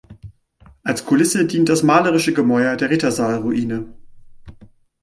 Als Kulisse dient das malerische Gemäuer der Rittersaal-Ruine.